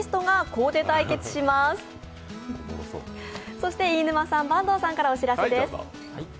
そして飯沼さん、坂東さんからお知らせです。